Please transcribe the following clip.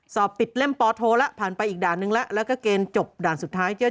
สอบปิดเล่มปโทแล้วผ่านไปอีกด่านนึงแล้วแล้วก็เกณฑ์จบด่านสุดท้ายเจอ